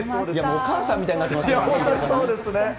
でもお母さんみたいになってますね。